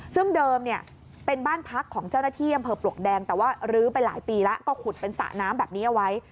ซึ่งเดิมเนี่ยเป็นบ้านพักของเจ้าหน้าที่อำเภอปลวกแดงแต่ว่ารื้อไปหลายปีแล้วก็ขุดเป็นสระน้ำแบบนี้เอาไว้